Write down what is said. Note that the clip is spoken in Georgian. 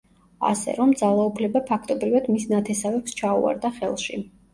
ასე რომ, ძალაუფლება ფაქტობრივად მის ნათესავებს ჩაუვარდა ხელში.